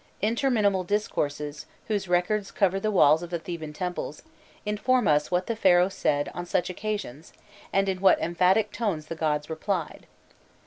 Interminable discourses, whose records cover the walls of the Theban temples, inform us what the Pharaoh said on such occasions, and in what emphatic tones the gods replied.